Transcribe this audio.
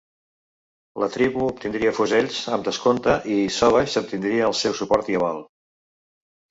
La tribu obtindria fusells amb descompte i Savage obtindria el seu suport i aval.